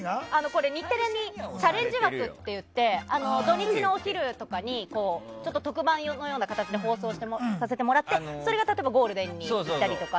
日テレにチャレンジ枠といって土日のお昼とかにちょっと特番のような形で放送させてもらって、それがゴールデンに行ったりとか。